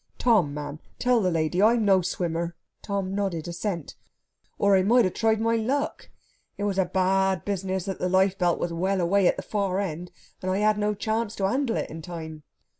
Tom, man, tell the lady I'm no swimmer...." Tom nodded assent, "... or I might have tried my luck. It was a bad business that the life belt was well away at the far end, and I had no chance to handle it in time.